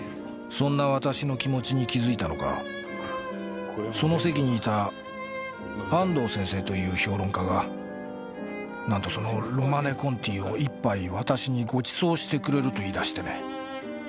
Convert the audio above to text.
そんな私の気持ちに気づいたのかその席にいた安藤先生という評論家が何とその「ロマネ・コンティ」を１杯私にご馳走してくれると言い出してね。